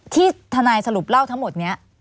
ที่ทนายสรุปเล่าทั้งหมดนี้